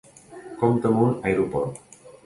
Compta amb un aeroport.